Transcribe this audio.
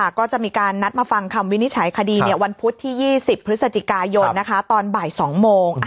ก็จะมีการนัดมาฟังคำวินิจฉัยคดีวันพุธที่๒๐พฤศจิกายนตอนบ่าย๒โมง